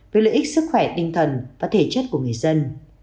với lợi ích sức khỏe tinh thần và thể chất của người dân